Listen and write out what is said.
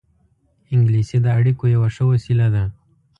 انګلیسي د اړیکو یوه ښه وسیله ده